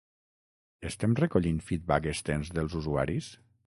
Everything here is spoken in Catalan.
Estem recollint feedback extens dels usuaris?